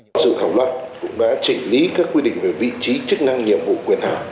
các dự khảo luật cũng đã chỉnh lý các quy định về vị trí chức năng nhiệm vụ quyền hạ